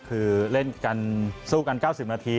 คือเล่นกันสู้กัน๙๐นาที